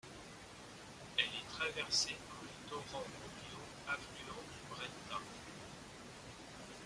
Elle est traversée par le torrent Moggio, affluent du Brenta.